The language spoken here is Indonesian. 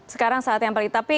sekarang saat yang paling tapi